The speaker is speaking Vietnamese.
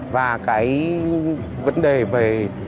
và cái vấn đề về